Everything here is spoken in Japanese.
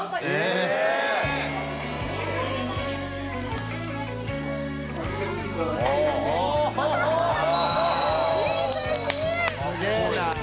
すげぇな。